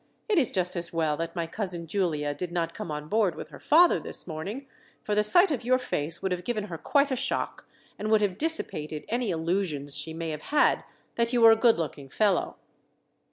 It is just as well that my cousin Giulia did not come on board with her father this morning, for the sight of your face would have given her quite a shock, and would have dissipated any illusions she may have had that you were a good looking fellow."